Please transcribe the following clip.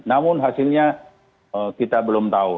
namun hasilnya kita belum tahu